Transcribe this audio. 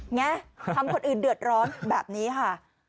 ไงทำคนอื่นเดือดร้อนแบบนี้ค่ะ